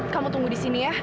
kamu tunggu di sini ya